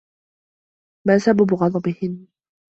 ما سبب غضبهن؟